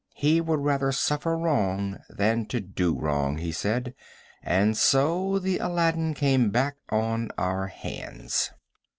He would rather suffer wrong than to do wrong, he said, and so the Aladdin came back on our hands.